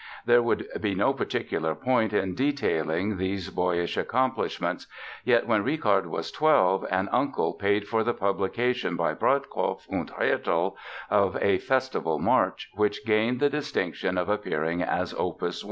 There would be no particular point in detailing these boyish accomplishments, yet when Richard was twelve an uncle paid for the publication by Breitkopf und Härtel of a "Festival March", which gained the distinction of appearing as "Opus 1".